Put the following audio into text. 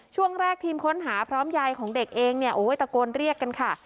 ช่วงแรกทีมค้นหาพร้อมยายของเด็กเองเนี่ยโอ้ยตะโกนเรียกกันค่ะ